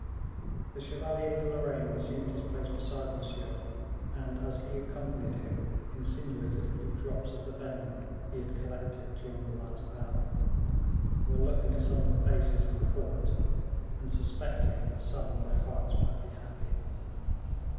The Chevalier de Lorraine resumed his place beside Monsieur, and, as he accompanied him, insinuated a few drops of the venom he had collected during the last hour, while looking at some of the faces in the court, and suspecting that some of their hearts might be happy.